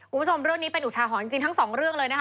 คุณผู้ชมว่านี้เป็นอุทาหอจริงทั้งสองเรื่องเลย